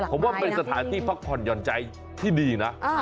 ผมว่าเป็นสถานที่พักผ่อนหย่อนใจที่ดีนะ